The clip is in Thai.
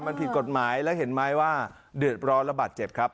มันผิดกฎหมายแล้วเห็นไหมว่าเดือดร้อนระบาดเจ็บครับ